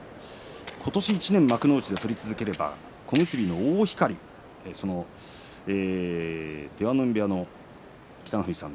今年１年幕内で取り続ければ小結の大晃、出羽海部屋の北の富士さんの。